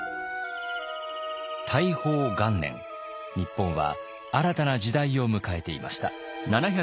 日本は新たな時代を迎えていました。